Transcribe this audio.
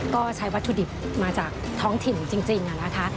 ก็ใช้วัตถุดิบมาจากท้องถิ่นจริงนะคะ